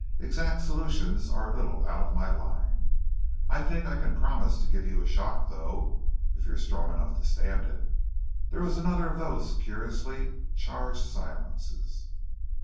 "Exact solutions are a little out of my line. I think I can promise to give you a shock, though, if you're strong enough to stand it." There was another of those curiously charged silences.